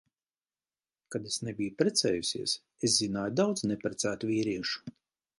Kad es nebiju precējusies, es zināju daudz neprecētu vīriešu.